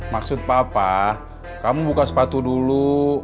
maksud papa kamu buka sepatu dulu